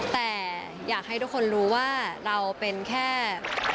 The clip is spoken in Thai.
แต่อยากให้ทุกคนรู้ว่าเราเป็นแค่